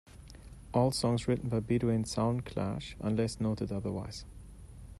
All songs written by Bedouin Soundclash unless noted otherwise.